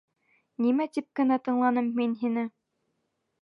Нимә тип кенә тыңланым мин һине!..